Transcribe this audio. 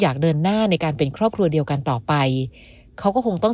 อยากเดินหน้าในการเป็นครอบครัวเดียวกันต่อไปเขาก็คงต้อง